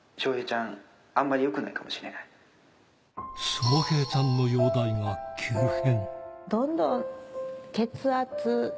翔平ちゃんの容体が急変。